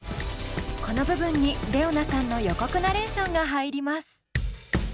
この部分にＲｅｏＮａさんの予告ナレーションが入ります。